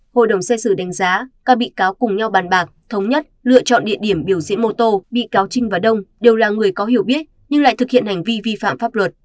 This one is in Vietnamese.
hội đồng xét xử đánh giá các bị cáo cùng nhau bàn bạc thống nhất lựa chọn địa điểm biểu diễn mô tô bị cáo trinh và đông đều là người có hiểu biết nhưng lại thực hiện hành vi vi phạm pháp luật